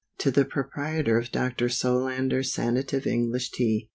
To the Proprietor of Dr. Solander's Sanative ENGLISH TEA.